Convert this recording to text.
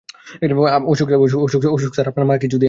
Ashok sir, আপনার মাকে চুদি!